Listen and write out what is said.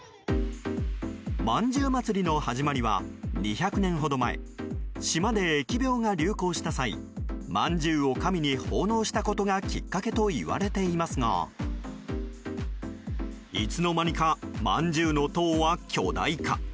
饅頭祭りの始まりは２００年ほど前島で疫病が流行した際まんじゅうを神に奉納したことがきっかけといわれていますがいつの間にか、まんじゅうの塔は巨大化。